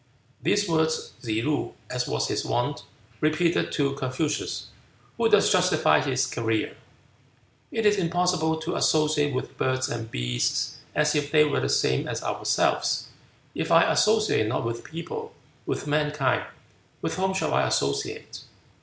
These words Tsze loo, as was his wont, repeated to Confucius, who thus justified his career: "It is impossible to associate with birds and beasts as if they were the same as ourselves. If I associate not with people, with mankind, with whom shall I associate?